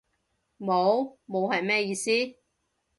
冇？冇係咩意思？